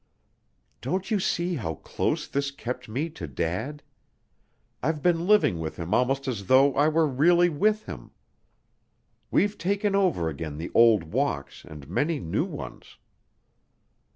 "Don't you see how close this kept me to Dad? I've been living with him almost as though I were really with him. We've taken over again the old walks and many news ones.